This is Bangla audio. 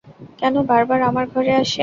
কেন বারবার আমার ঘরে আসে?